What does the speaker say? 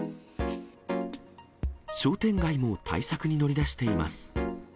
商店街も対策に乗り出しています。